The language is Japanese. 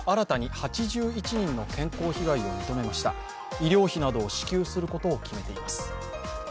医療費などを支給することを決めています。